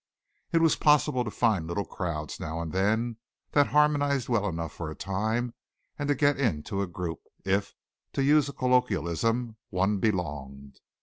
It was possible to find little crowds, now and then, that harmonized well enough for a time and to get into a group, if, to use a colloquialism, one belonged.